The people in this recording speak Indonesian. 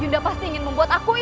yunda pasti ingin membuat aku iri